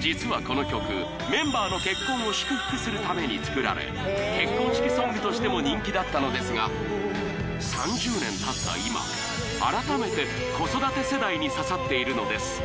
実はこの曲メンバーの結婚を祝福するために作られ結婚式ソングとしても人気だったのですが３０年たった今改めて子育て世代に刺さっているのです